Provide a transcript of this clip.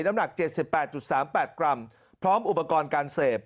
น้ำหนัก๗๘๓๘กรัมพร้อมอุปกรณ์การเสพ